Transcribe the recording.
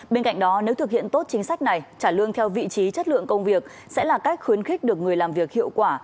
bên cạnh đó nếu thực hiện tốt chính sách này trả lương theo vị trí chất lượng công việc sẽ là cách khuyến khích được người làm việc hiệu quả